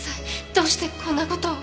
どうしてこんな事を？